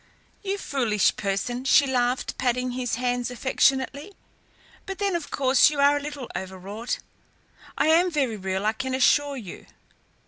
"You foolish person!" she laughed, patting his hands affectionately. "But then, of course, you are a little overwrought. I am very real, I can assure you.